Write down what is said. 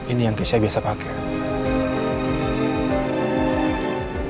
ini yang saya biasa pakai